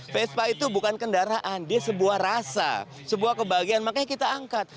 vespa itu bukan kendaraan dia sebuah rasa sebuah kebahagiaan makanya kita angkat